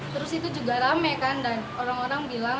terus itu juga rame kan dan orang orang bilang